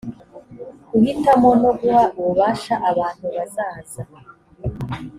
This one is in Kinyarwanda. guhitamo no guha ububasha abantu bazaza